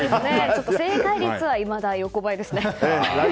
正解率はいまだ横ばいですね。